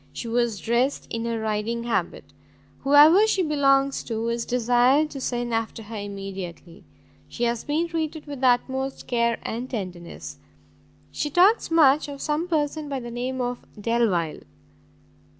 She was dressed in a riding habit. Whoever she belongs to is desired to send after her immediately. She has been treated with the utmost care and tenderness. She talks much of some person by the name of Delvile.